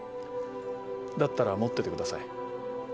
だったら持っててください。